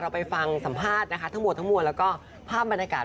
เราไปฟังสัมภาษณ์ทั้งหมดแล้วก็ภาพบรรยากาศ